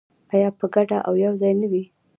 آیا په ګډه او یوځای نه وي؟